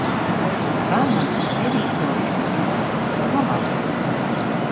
Kā man sevī to visu savaldīt? Kā?